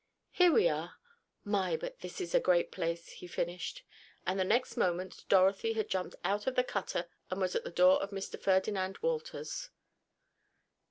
Here we are. My, but this is a great place!" he finished. And the next moment Dorothy had jumped out of the cutter and was at the door of Mr. Ferdinand Wolters.